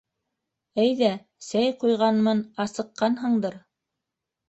Әйҙә, сәй ҡуйғанмын, асыҡҡанһыңдыр.